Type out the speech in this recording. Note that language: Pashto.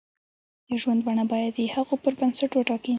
د ژوند بڼه باید د هغو پر بنسټ وټاکي.